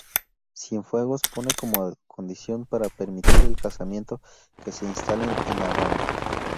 Cienfuegos pone como condición para permitir el casamiento que se instalen en La Habana.